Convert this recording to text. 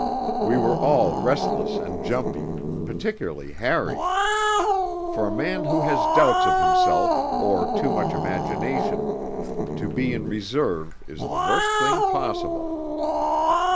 We were all restless and jumpy, particularly Harry. For a man who has doubts of himself or too much imagination, to be in reserve is the worst thing possible.